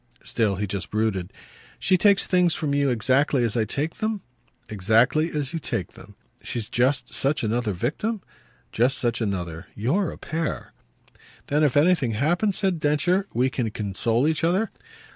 Still he just brooded. "She takes things from you exactly as I take them?" "Exactly as you take them." "She's just such another victim?" "Just such another. You're a pair." "Then if anything happens," said Densher, "we can console each other?"